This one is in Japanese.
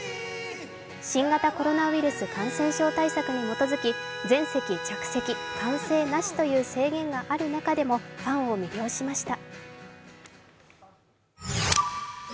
新型コロナウイルス感染症対策に基づき全席着席・歓声なしという制限がある中でもファンを魅了しました。